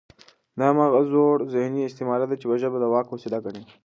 دا هماغه زوړ ذهني استعمار دی، چې ژبه د واک وسیله ګڼي